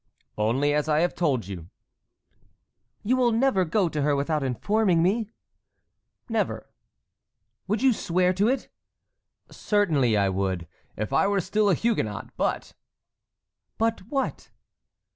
"Only as I have told you." "You will never go to her without informing me?" "Never." "Would you swear to it?" "Certainly I would, if I were still a Huguenot, but"— "But what?"